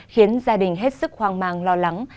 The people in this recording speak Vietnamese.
khiến gia đình hết sức hoang mang lo lắng